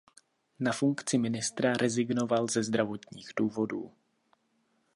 Na funkci ministra rezignoval ze zdravotních důvodů.